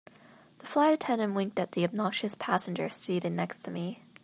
The flight attendant winked at the obnoxious passenger seated next to me.